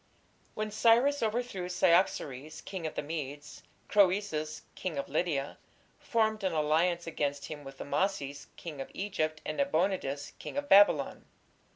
When Cyrus overthrew Cyaxares, king of the Medes, Croesus, king of Lydia, formed an alliance against him with Amasis, king of Egypt, and Nabonidus, king of Babylon.